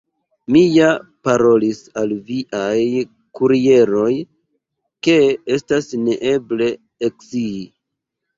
Mi ja parolis al viaj kurieroj, ke estas neeble ekscii.